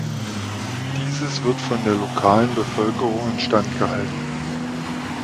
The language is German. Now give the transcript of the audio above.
Dieses wird von der lokalen Bevölkerung in Stand gehalten.